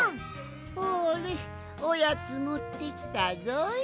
ほれおやつもってきたぞい。